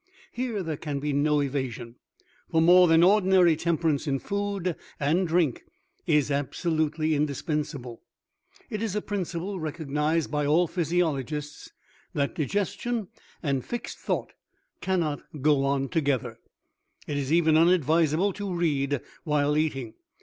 Here there can be no evasion, for more than ordinary temperance in food and drink is absolutely indispensable. It is a principle, recognized by all physiologists, that digestion and fixed thought cannot go on together; it is even unadvisable to read while eating.